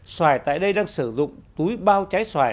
xoài tại đây đang sử dụng túi bao trái xoài